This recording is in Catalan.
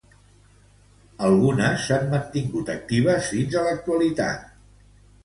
Algunes s'han mantingut actives fins a l'actualitat.